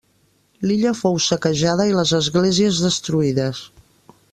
L'illa fou saquejada i les esglésies destruïdes.